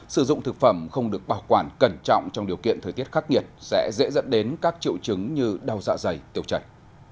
sử dụng thực phẩm không được bảo quản cẩn trọng trong điều kiện thời tiết khắc nghiệt sẽ dễ dẫn đến các triệu chứng như đau dạ dày tiêu chảy